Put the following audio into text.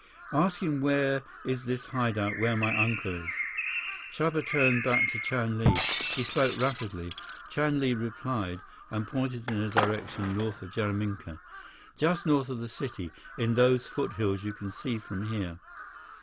"Ask him where is this hide out where my uncle is?" Chuba turned back to Chan Li. He spoke rapidly. Chan Li replied, and pointed in a direction north of Jaraminka. "Just north of the city. In those foothills you can see from here."